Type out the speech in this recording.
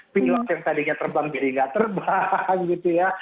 pilot yang tadinya terbang jadi nggak terbang gitu ya